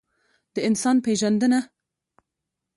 د انسان پېژندنه.